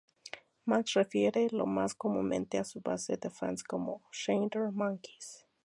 Max se refiere lo más comúnmente a su base de fans como "Schneider Monkeys".